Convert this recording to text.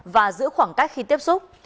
và giữ khoảng cách khi tiếp xúc